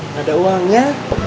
gak ada uangnya